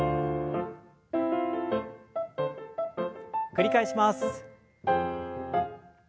繰り返します。